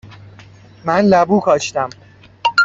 من لبو کاشتم.